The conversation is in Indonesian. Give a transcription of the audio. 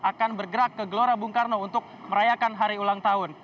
akan bergerak ke gelora bung karno untuk merayakan hari ulang tahun